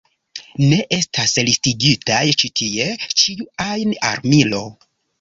Ne estas listigitaj ĉi tie ĉiu ajn armilo.